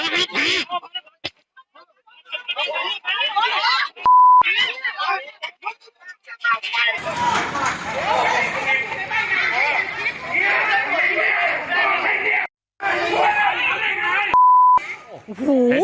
หน่อยแม่งไม่เห็นแล้ว